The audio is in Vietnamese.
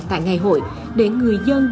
tại ngày hội để người dân